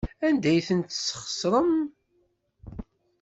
Anda ay ten-tesɣesrem?